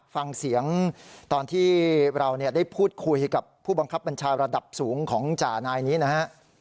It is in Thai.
ฟังเสียงตอนที่เราได้พูดคุยกับผู้บังคับบัญชาระดับสูงของจ่านายนี้นะฮะ